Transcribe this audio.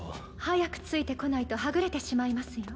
早くついてこないとはぐれてしまいますよ。